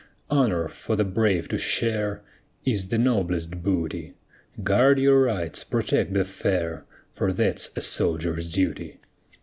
Honor for the brave to share Is the noblest booty; Guard your rights, protect the fair, For that's a soldier's duty.